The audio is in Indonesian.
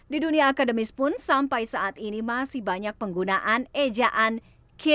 di dunia akademis pun sampai saat ini masih banyak penggunaan ejaan kiri